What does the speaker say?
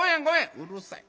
「うるさい。